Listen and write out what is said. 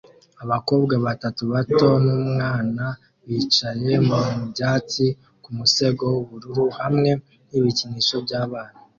Abakobwa batatu bato n'umwana bicaye mu byatsi ku musego w'ubururu hamwe n'ibikinisho by'abana